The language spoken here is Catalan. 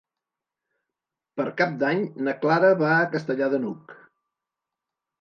Per Cap d'Any na Clara va a Castellar de n'Hug.